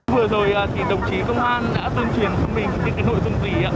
vừa rồi thì đồng chí công an đã tôn truyền cho mình những cái nội dung gì